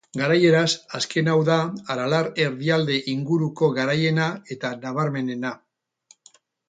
Garaieraz, azken hau da Aralar Erdialde inguruko garaiena eta nabarmenena.